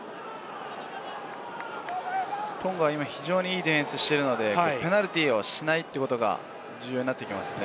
トンガは今、非常にいいディフェンスをしているので、ペナルティーをしないということが重要になってきますね。